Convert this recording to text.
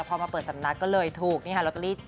พอมาเปิดสำนักก็เลยถูกนี่ฮะ